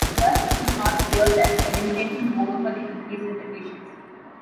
Thus, it is not clear that eliminating the monopoly increases efficiency.